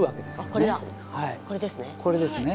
これですね。